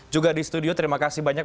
juga di studio terima kasih banyak